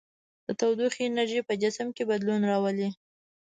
د تودوخې انرژي په جسم کې بدلون راولي.